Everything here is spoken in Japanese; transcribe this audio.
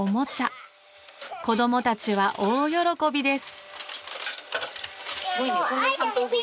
子どもたちは大喜びです。